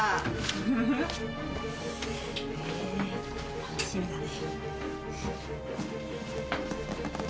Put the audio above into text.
え楽しみだね。